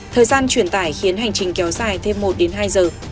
thời gian truyền tải khiến hành trình kéo dài thêm một đến hai giờ